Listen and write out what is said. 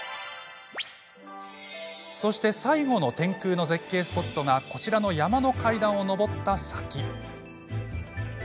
そして最後の天空の絶景スポットがこちらの山の階段を上った先。